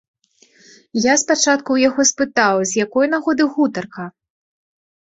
Я спачатку ў яго спытаў, з якой нагоды гутарка?